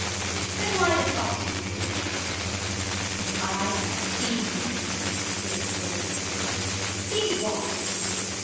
'Then why this obstinacy?' 'Because I have seen them,' he exploded. 'Seen what?'